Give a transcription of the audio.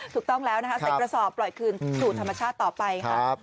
ถูกต้องแล้วนะคะใส่กระสอบปล่อยคืนสู่ธรรมชาติต่อไปค่ะ